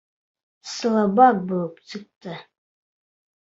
Слабак булып сыҡты.